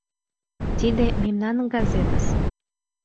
— Тиде мемнан газетыс.